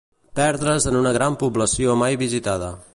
Perdre's en una gran població mai visitada